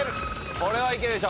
これはいけるでしょ。